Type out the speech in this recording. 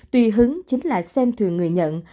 tùy hứng chính là xem thường người nhận